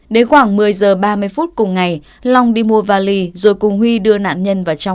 đến khoảng một mươi giờ ba mươi phút cùng ngày long đi mua vali rồi cùng huy đưa nạn nhân vào trong